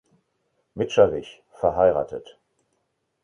Mitscherlich, verh.